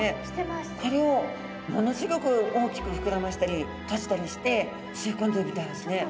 これをものすギョく大きく膨らましたり閉じたりして吸い込んでるみたいですね。